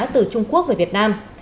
từ trung quốc về việt nam